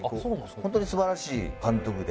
ホントに素晴らしい監督で。